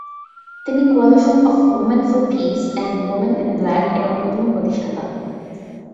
তিনি coalition of women for peace and women in ব্ল্যাক-এর অন্যতম প্রতিষ্ঠাতা।